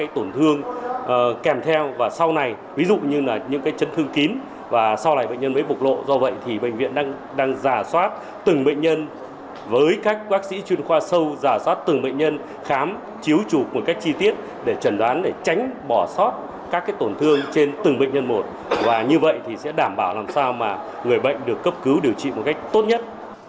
tại sao mà người bệnh được cấp cứu điều trị một cách tốt nhất